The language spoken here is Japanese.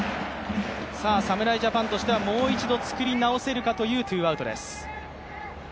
侍ジャパンとしてはもう一度作り直せるかというツーアウトです。